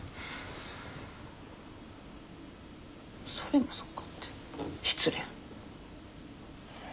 それもそうかって失礼な。